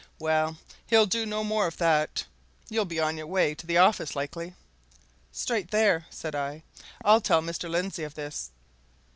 Well, he'll do no more of that! You'll be on your way to the office, likely?" "Straight there," said I. "I'll tell Mr. Lindsey of this."